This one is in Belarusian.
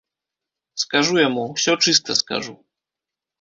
Скажу яму, усё чыста скажу!